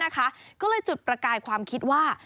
ก็เลยจุดประกายความคิดว่า